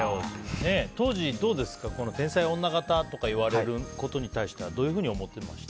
当時、天才女形とか言われることに対してはどういうふうに思っていました？